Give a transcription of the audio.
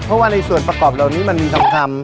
เพราะว่าในส่วนประกอบเหล่านี้มันมีทองคำ